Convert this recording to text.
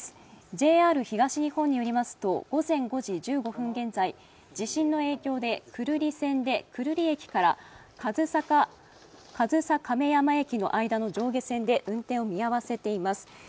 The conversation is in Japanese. ＪＲ東日本によりますと、午前５時１５分現在、地震の影響で久留里線で久留里駅から上総亀山駅の間の上下線で運転を見合わせています。